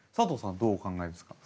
どうお考えですか？